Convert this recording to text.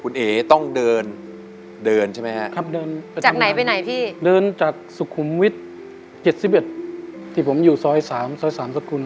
คุณเอ๋ต้องเดินเดินใช่ไหมฮะครับเดินจากไหนไปไหนพี่เดินจากสุขุมวิทย์๗๑ที่ผมอยู่ซอย๓ซอยสามสกุล